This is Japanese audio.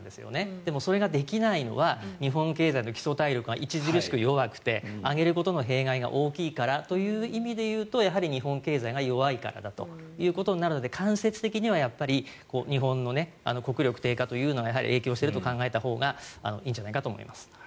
でも、それができないのは日本経済の基礎体力が著しく弱くて上げることの弊害が大きいからという意味で言うとやはり日本経済が弱いからだということになるので間接的には、やっぱり日本の国力低下というのが影響していると考えたほうがいいんじゃないかと思います。